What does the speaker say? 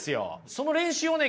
その練習をね